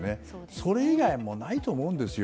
それ以外はないと思うんですよ。